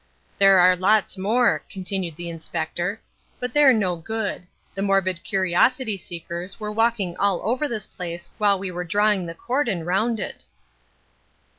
"There are lots more," continued the Inspector, "but they're no good. The morbid curiosity seekers were walking all over this place while we were drawing the cordon round it."